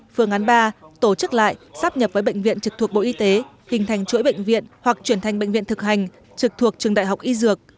phương án ba tổ chức lại sắp nhập với bệnh viện trực thuộc bộ y tế hình thành chuỗi bệnh viện hoặc chuyển thành bệnh viện thực hành trực thuộc trường đại học y dược